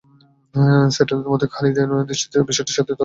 স্যাটেলাইটের মত খালিদের দৃষ্টিতে বিষয়টি সাথে সাথে ধরা পড়ে যায়।